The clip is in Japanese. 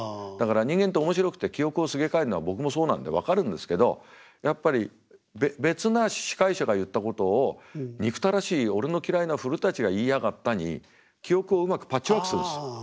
だから人間って面白くて記憶をすげ替えるのは僕もそうなんで分かるんですけどやっぱり別な司会者が言ったことを「憎たらしい俺の嫌いな古が言いやがった」に記憶をうまくパッチワークするんです。